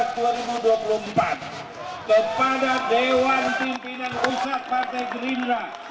kepada dewan pimpinan pusat partai gerindra